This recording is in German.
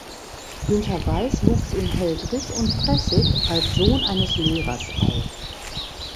Günther Weiß wuchs in Heldritt und Pressig als Sohn eines Lehrers auf.